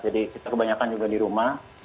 jadi kita kebanyakan juga di rumah